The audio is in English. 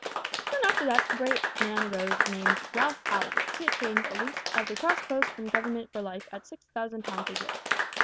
"Soon after that a great man arose named Ralph Allen. He obtained a lease of the cross posts from Government for life at 6000 pounds a year.